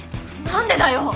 何でだよ！？